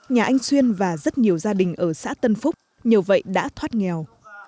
nhà anh xuyên và rất nhiều gia đình ở xã tân phúc nhờ vậy đã thoát nghèo